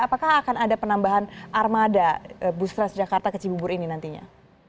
apakah akan ada penambahan armada bus transjakarta ke cibubur ini nantinya